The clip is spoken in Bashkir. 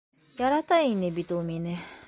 Ярата ине бит ул мине!